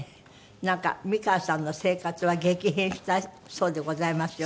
なんか美川さんの生活は激変したそうでございますよ。